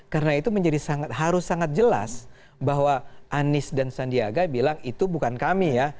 karena itu menjadi sangat harus sangat jelas bahwa anies dan sandiaga bilang itu bukan kami ya